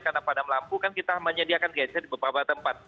karena padam lampu kan kita menyediakan geser di beberapa tempat